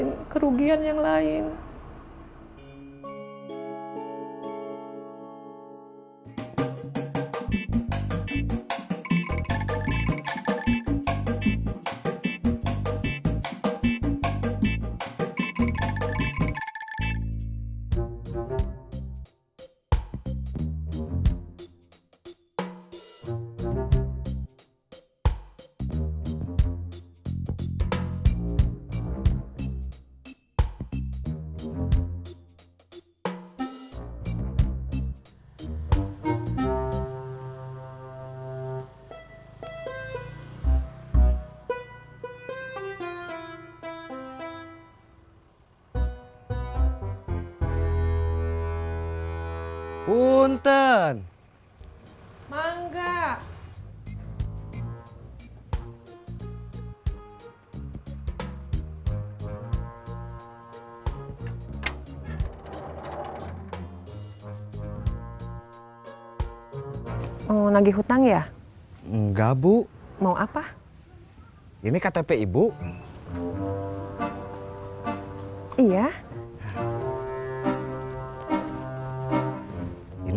cuma narik iuran keamanan